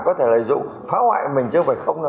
có thể là dụng phá hoại mình chứ không phải không đâu